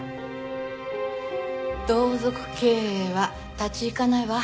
同族経営は立ち行かないわ。